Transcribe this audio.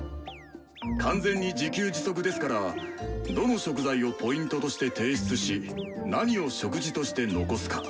完全に自給自足ですからどの食材をＰとして提出し何を食事として残すか。